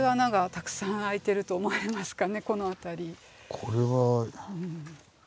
これは。